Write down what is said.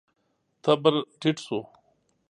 تبر ټيټ شو.